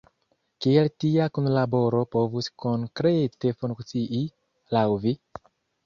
Kiel tia kunlaboro povus konkrete funkcii, laŭ vi?